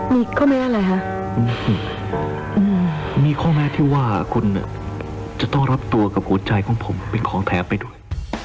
มีข้อแม้อะไรคะมีข้อแม้ที่ว่าคุณจะต้องรับตัวกับหัวใจของผมเป็นของแท้ไปด้วย